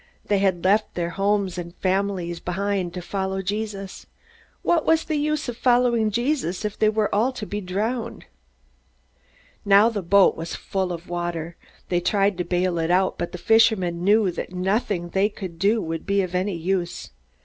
They had left their homes and families behind, to follow Jesus. What was the use of following Jesus if they were all to be drowned? Now the boat was full of water. They tried to bail it out, but the fishermen knew that nothing they could do would be of any use.